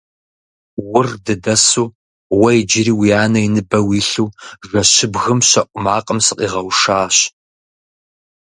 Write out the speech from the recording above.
Ур дыдэсу, уэ иджыри уи анэ и ныбэ уилъу, жэщыбгым щэӀу макъым сыкъигъэушащ.